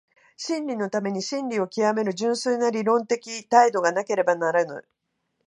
真理のために真理を究める純粋な理論的態度がなければならぬ。